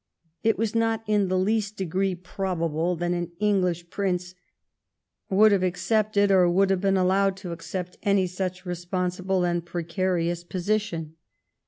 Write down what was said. It was not in the least degree probable that an English prince would have ac cepted or would have been allowed to accept any such responsible and precarious position.